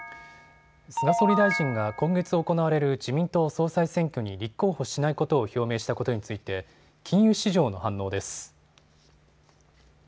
菅総理大臣が今月行われる自民党総裁選挙に立候補しないことを表明したことについて、金融市場の反応です。